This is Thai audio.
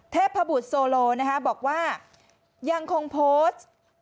เทพบุตรโซโลบอกว่ายังคงโพสต์